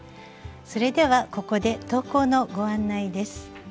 それではここで投稿のご案内です。